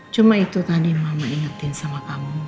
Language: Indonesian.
cuma itu tadi mama ingetin sama kamu